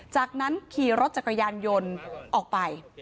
จากนั้นขี่รถจักรยานยนต์ออกไป